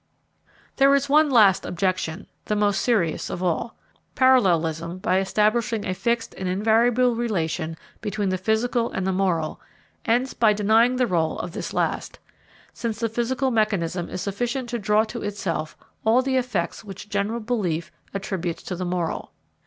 There is one last objection, the most serious of all. Parallelism, by establishing a fixed and invariable relation between the physical and the moral, ends by denying the rôle of this last, since the physical mechanism is sufficient to draw to itself all the effects which general belief attributes to the moral.